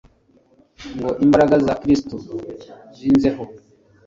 ngo imbaraga za Kristo zinzeho